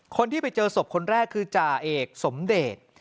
คนที่ไปเจอศพคนแรกคือจ่าเอกสมเดช